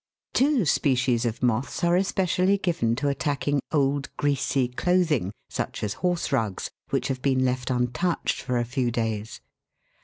Two species of moths are especially given to attacking old, greasy clothing, such as horse rugs, which have been left untouched for a few days (Fig.